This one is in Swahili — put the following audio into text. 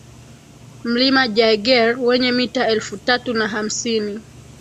Mlima Jaeger wenye mita elfu tatu na hamsini